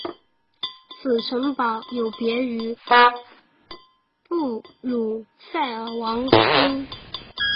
此城堡有别于布鲁塞尔王宫。